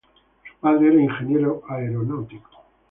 Su padre era ingeniero aeronáutico.